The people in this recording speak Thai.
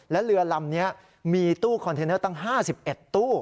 และเรือลำนี้มีตู้คอนเทนเนอร์ตั้ง๕๑ตู้